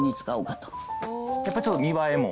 やっぱちょっと見栄えも？